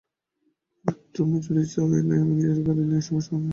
অ্যাব, তুমি যদি চাও এই দায় আমি নিজের ঘাড়ে নেই, সমস্যা নেই।